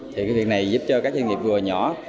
thì cái việc này giúp cho các doanh nghiệp vừa và nhỏ